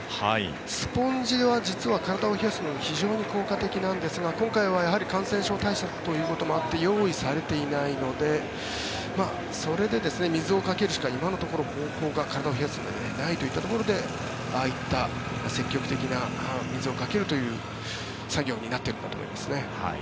スポンジは実は体を冷やすのに非常に効果的なんですが今回は感染症対策ということもあって用意されていないのでそれで水をかけるしか今のところ方法が体を冷やすうえでないというところでああいった積極的な水をかけるという作業になっているかと思います。